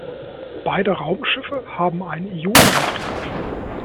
Beide Raumschiffe haben einen Ionenantrieb.